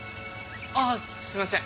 ああすいません